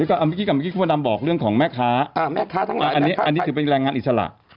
นี่ก็เมื่อกี้กับเมื่อกี้คุณผู้ดำบอกเรื่องของแม่ค้าอันนี้ถือเป็นแรงงานอิจฉละ